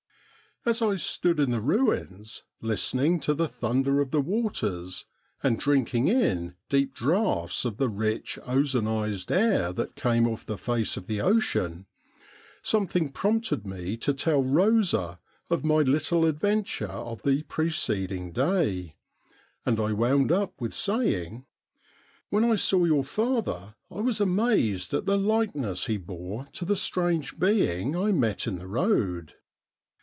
As I stood in the ruins listening to the thunder of the waters, and drinking in deep draughts of the rich ozonised air that came off the face of the ocean, something prompted me to tell Eosa of my little adventure of the preceding day, and I wound up with saying :' When I saw your father I was amazed at the likeness he bore to the strange being I met in the road.'